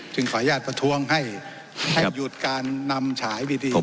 จึงขออนุญาตประท้วงให้ให้หยุดการนำฉายวิดีโอ